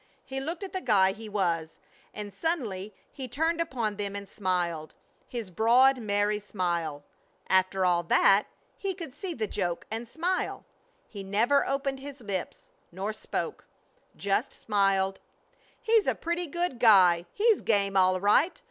He looked at the guy he was and suddenly he turned upon them and smiled, his broad, merry smile! After all that he could see the joke and smile! He never opened his lips nor spoke just smiled. "He's a pretty good guy! He's game, all right!"